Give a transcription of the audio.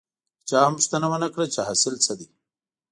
هېچا هم پوښتنه ونه کړه چې حاصل څه دی.